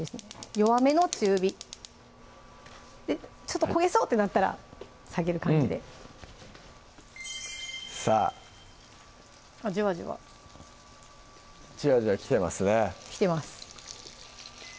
弱めの中火ちょっと焦げそうってなったら下げる感じでさぁジワジワジワジワきてますねきてます